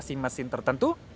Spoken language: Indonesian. maka di dalam mobil lain tertentu